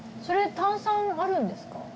それ炭酸あるんですか？